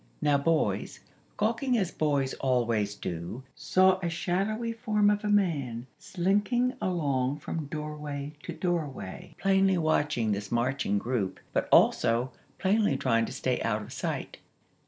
Now boys, gawking as boys always do, saw a shadowy form of a man slinking along from doorway to doorway, plainly watching this marching group, but also, plainly trying to stay out of sight.